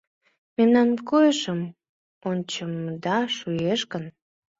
Мемнан койышым ончымыда шуэш гын